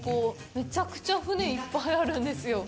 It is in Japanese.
めちゃくちゃ船いっぱいあるんですよ。